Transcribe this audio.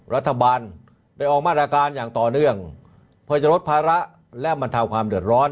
รัฐบาลได้ออกมาตรการอย่างต่อเนื่องเพื่อจะลดภาระและบรรเทาความเดือดร้อน